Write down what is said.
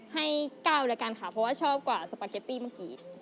ให้๙แล้วกันค่ะเพราะว่าชอบกว่าสปาเกตตี้เมื่อกี้